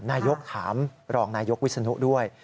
นายกถามรองนายกวิศนุด้วย